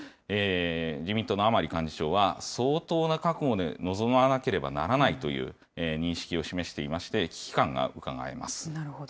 自民党の甘利幹事長は、相当な覚悟で臨まなければならないという認識を示していまして、危機感がなるほど。